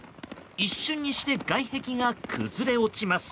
一瞬にして外壁が崩れ落ちます。